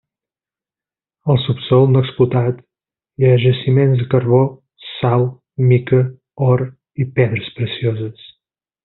Al subsòl, no explotat, hi ha jaciments de carbó, sal, mica, or i pedres precioses.